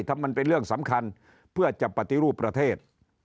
ถ้ามันเป็นเรื่องสำคัญเพื่อจะปฏิรูปประเทศ